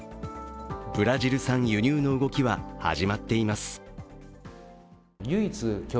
ブラジル産輸入の動きは始まっています。